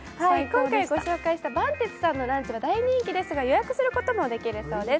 今回ご紹介した萬鉄さんは大人気ですが、予約することもできるそうです。